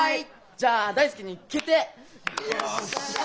じゃあ大介に決定！